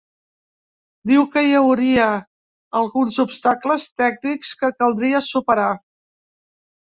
Diu que hi hauria alguns obstacles tècnics que caldria superar.